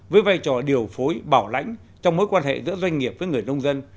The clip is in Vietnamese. với vai trò điều phối bảo lãnh trong mối quan hệ giữa doanh nghiệp với người nông dân